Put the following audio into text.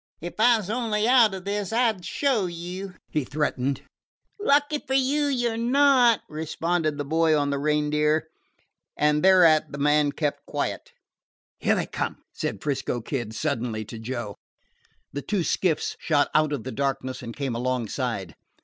"If I was only out of this, I 'd show you!" he threatened. "Lucky for you you 're not," responded the boy on the Reindeer; and thereat the man kept quiet. "Here they come!" said 'Frisco Kid suddenly to Joe. The two skiffs shot out of the darkness and came alongside.